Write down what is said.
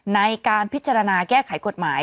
ในการพิจารณาแก้ไขกฎหมาย